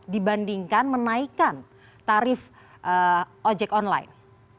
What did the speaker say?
dibandingkan menaikkan tarif ojek online